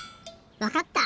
わかった！